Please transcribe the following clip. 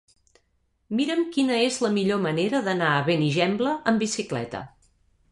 Mira'm quina és la millor manera d'anar a Benigembla amb bicicleta.